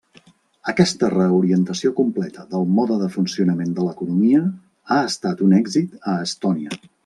Aquesta reorientació completa del mode de funcionament de l'economia ha estat un èxit a Estònia.